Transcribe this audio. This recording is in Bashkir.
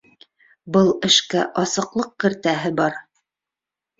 Был эшкә асыҡлыҡ кертәһе бар